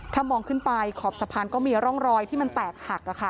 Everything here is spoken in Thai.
ถ้ามองขึ้นไปขอบสะพานก็มีร่องรอยที่มันแตกหัก